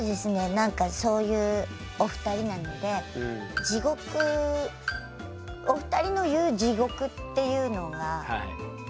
何かそういうお二人なので地獄お二人の言う地獄っていうのがすごく気になりますね。